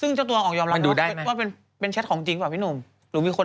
ซึ่งจ้าตัวออกยอมรับว่าเป็นช็ทของจริงส่ว่ะพี่หนู